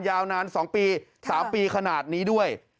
ยาวนาน๒ปี๓ปีขนาดนี้ด้วย